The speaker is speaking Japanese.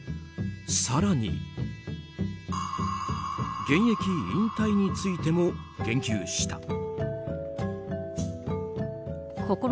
更に、現役引退についても言及した。